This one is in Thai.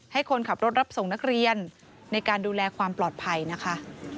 ให้คนขับรถรับส่งนักเรียนในการดูแลความปลอดภัยนะคะ